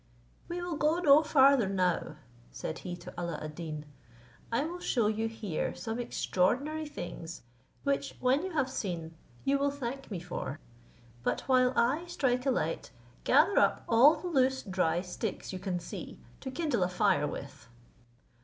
"We will go no farther now," said he to Alla ad Deen: "I will shew you here some extraordinary things, which, when you have seen, you will thank me for: but while I strike a light, gather up all the loose dry sticks you can see, to kindle a fire with."